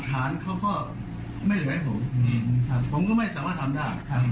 ฐานเขาก็ไม่เหลือให้ผมผมก็ไม่สามารถทำได้